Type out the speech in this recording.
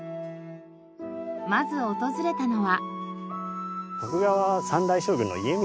まず訪れたのは。